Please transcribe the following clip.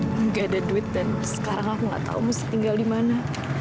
tidak ada duit dan sekarang aku nggak tahu mesti tinggal di mana